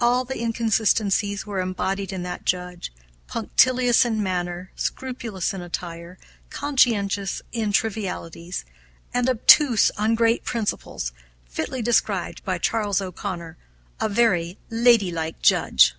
All the inconsistencies were embodied in that Judge, punctilious in manner, scrupulous in attire, conscientious in trivialities, and obtuse on great principles, fitly described by Charles O'Conor "A very ladylike Judge."